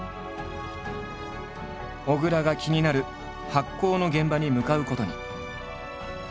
小倉が気になる発酵の現場に向かうことに。